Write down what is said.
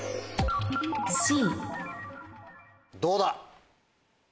どうだ？